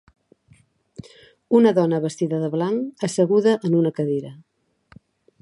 Una dona vestida de blanc asseguda en una cadira.